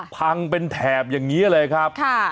พังเป็นแถบอย่างนี้เลยครับ